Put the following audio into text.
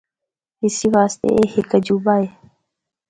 اسی واسطے اے ہک عجوبہ ہے۔